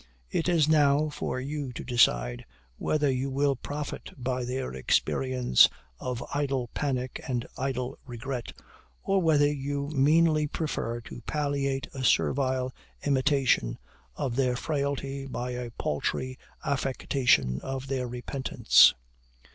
It is now for you to decide whether you will profit by their experience of idle panic and idle regret, or whether you meanly prefer to palliate a servile imitation of their frailty by a paltry affectation of their repentance.